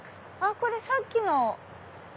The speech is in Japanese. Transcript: これさっきの。